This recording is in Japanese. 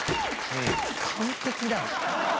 完璧だ。